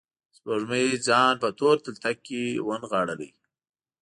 سپوږمۍ ځان په تور تلتک کې ونغاړلي